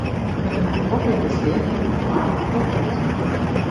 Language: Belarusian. Гэта навуковыя даследаванні, планы, прагнозы.